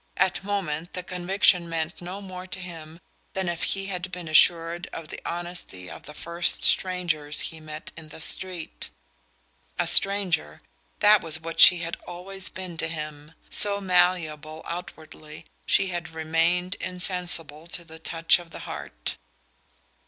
At moment the conviction meant no more to him than if he had been assured of the honesty of the first strangers he met in the street. A stranger that was what she had always been to him. So malleable outwardly, she had remained insensible to the touch of the heart.